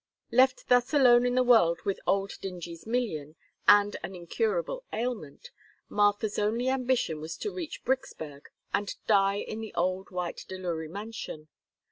Left thus alone in the world with old Dingee's million and an incurable ailment, Martha's only ambition was to reach Bricksburg and die in the old white Delury mansion.